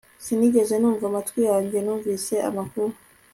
sinigeze numva amatwi yanjye numvise amakuru